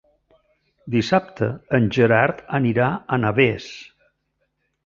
Dissabte en Gerard anirà a Navès.